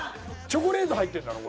チョコレート入ってんだろ？